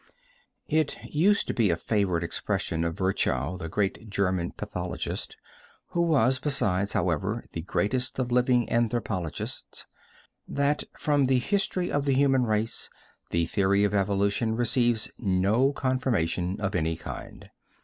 It used to be a favorite expression of Virchow, the great German pathologist, who was, besides, however, the greatest of living anthropologists, that from the history of the human race the theory of evolution receives no confirmation of any kind.